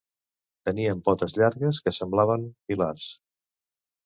Tenien potes llargues que semblaven pilars.